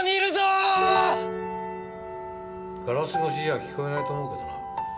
ガラス越しじゃ聞こえないと思うけどな。